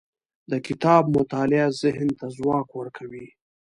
د کتاب مطالعه ذهن ته ځواک ورکوي.